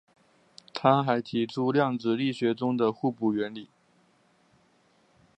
他还提出量子力学中的互补原理。